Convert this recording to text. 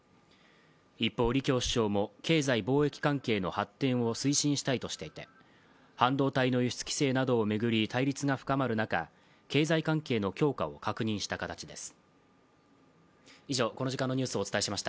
一方、李強首相も経済貿易関係の発展を推進したいとしていて半導体の輸出規制などを巡り対立が深まる中、経済関係の強化を確認した形です。